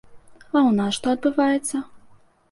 А ў нас што адбываецца?